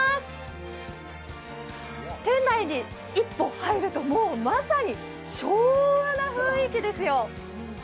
店内に一歩入ると、もうまさに昭和の雰囲気ですよ。